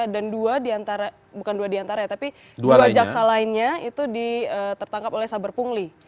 dan dua diantara bukan dua diantara ya tapi dua jaksa lainnya itu ditangkap oleh saber pungli